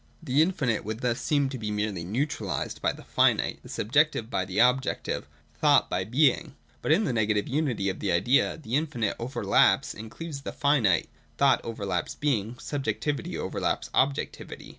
The infinite would thus seem to be m&rely neutralised by the finite, the subjective by the objective, thought by being. But in the negative 358 THE DOCTRINE OF THE NOTION. [215, 216. unity of the Idea, the infinite overlaps and includes the finite, thought overlaps being, subjectivity overlaps ob jectivity.